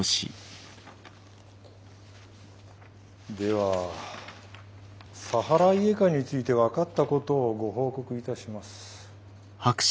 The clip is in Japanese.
ではサハライエカについて分かったことをご報告いたします。